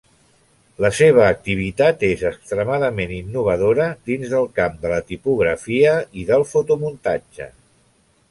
La seva activitat és extremadament innovadora dins del camp de la tipografia i del fotomuntatge.